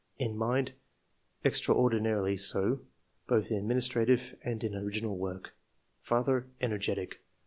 In mind — [extraordinarily so, both in administrative and in original work]. '^Father — Energetic.